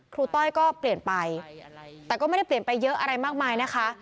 ต้อยก็เปลี่ยนไปแต่ก็ไม่ได้เปลี่ยนไปเยอะอะไรมากมายนะคะ